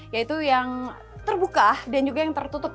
yaitu yang terbuka dan juga yang tertutup